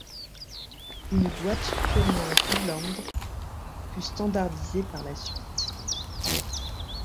Une boîte purement Hewland fut standardisée par la suite.